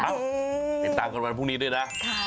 ติดตามกันวันพรุ่งนี้ด้วยนะ